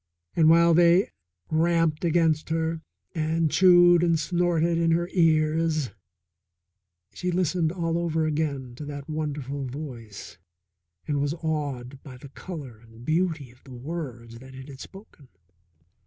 And while they ramped against her and chewed and snorted in her ears, she listened all over again to that wonderful voice and was awed by the colour and beauty of the words that it had spoken.